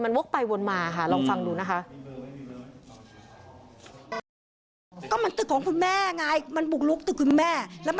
วกไปวนมาค่ะลองฟังดูนะคะ